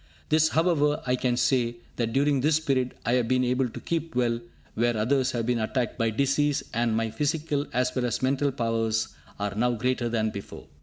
This, however, I can say, that, during this period, I have been able to keep well where others have been attacked by disease, and my physical as well as mental powers are now greater than before.